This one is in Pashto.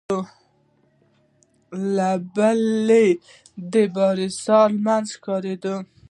له بلې يې د بالاحصار مينځ ښکارېده.